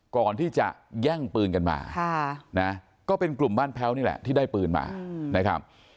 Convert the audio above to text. ก่อนที่จะแย่งปืนกันมาก็เป็นกลุ่มบ้านแพ้วนี่แหละที่ได้ปืนมานะครับ